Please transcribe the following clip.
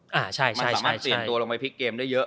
มันสามารถปีนตัวลงไปพลิกเกมได้เยอะ